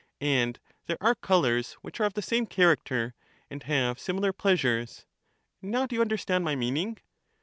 And there are colours which are of the same character, and have similar pleasures; now do you understand my meaning